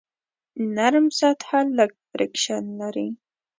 نرم سطحه لږ فریکشن لري.